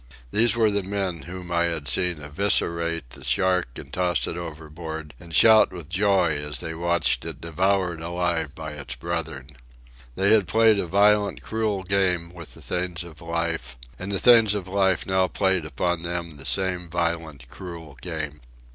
These were the men whom I had seen eviscerate the shark and toss it overboard, and shout with joy as they watched it devoured alive by its brethren. They had played a violent, cruel game with the things of life, and the things of life now played upon them the same violent, cruel game.